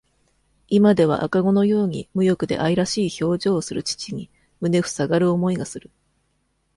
今では、赤子のように、無欲で、愛らしい表情をする父に、胸ふさがる思いがする。